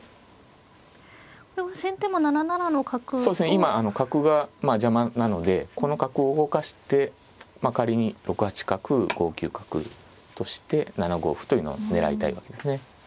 今角が邪魔なのでこの角を動かしてまあ仮に６八角５九角として７五歩というのを狙いたいわけですね。